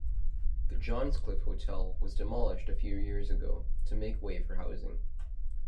The Johnscliffe Hotel was demolished a few years ago to make way for housing.